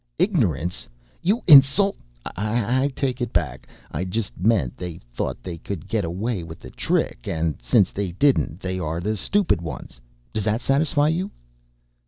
"Ignorance! You insult " "I take it back. I just meant they thought they could get away with the trick, and since they didn't they are the stupid ones. Does that satisfy you?"